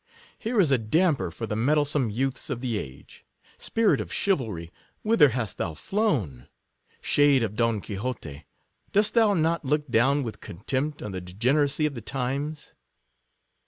" Here is a damper for the mettlesome youths of the age. Spirit of chivalry, whither hast thou flown! Shade of Pon Quixote, dost thou not look down with contempt on the degeneracy of the times